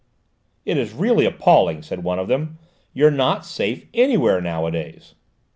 "It is really appalling," said one of them; "you're not safe anywhere nowadays."